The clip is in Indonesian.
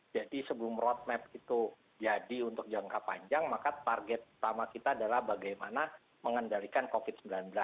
jadi sebelum roadmap itu jadi untuk jangka panjang maka target pertama kita adalah bagaimana mengendalikan covid sembilan belas